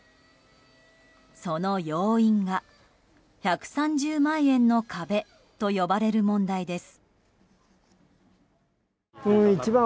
その要因が、１３０万円の壁と呼ばれる問題です。